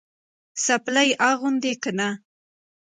څپلۍ اغوندې که نه؟